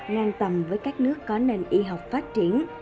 ngang tầm với các nước có nền y học phát triển